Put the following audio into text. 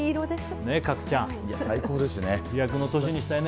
最高ですね。